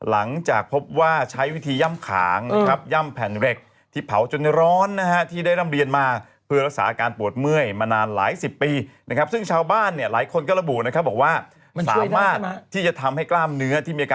แล้วนี่จะทำอะไรเค้าชงวกดูอะไรกันอ่ะ